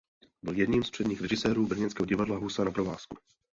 Byl jedním z předních režisérů brněnského divadla Husa na provázku.